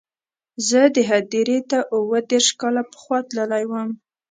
زه دې هدیرې ته اووه دېرش کاله پخوا تللی وم.